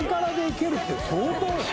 爾蕕いけるって相当よ。